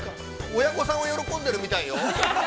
親御さんは喜んでるみたいよ。